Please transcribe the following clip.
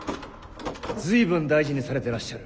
随分大事にされてらっしゃる。